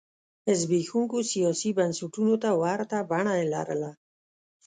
زبېښونکو سیاسي بنسټونو ته ورته بڼه یې لرله.